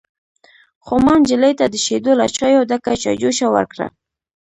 _خو ما نجلۍ ته د شيدو له چايو ډکه چايجوشه ورکړه.